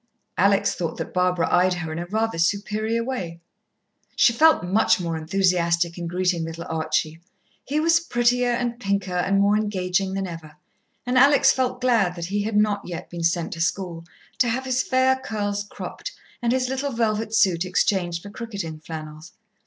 Alex thought that Barbara eyed her in a rather superior way. She felt much more enthusiastic in greeting little Archie. He was prettier and pinker and more engaging than ever, and Alex felt glad that he had not yet been sent to school, to have his fair curls cropped, and his little velvet suit exchanged for cricketing flannels.